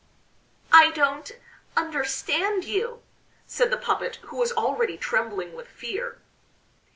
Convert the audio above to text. "I don't understand you," said the puppet who was already trembling with fear.